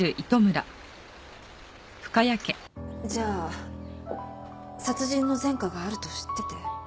じゃあ殺人の前科があると知ってて？